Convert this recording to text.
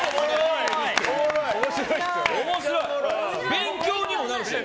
勉強にもなるし。